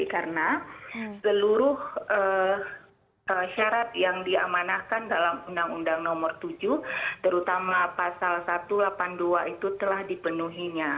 karena seluruh syarat yang diamanahkan dalam undang undang nomor tujuh terutama pasal satu ratus delapan puluh dua itu telah dipenuhinya